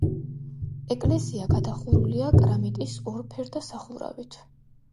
ეკლესია გადახურულია კრამიტის ორფერდა სახურავით.